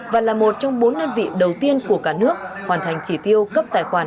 và là một trong bốn đơn vị đầu tiên của cả nước hoàn thành chỉ tiêu cấp tài khoản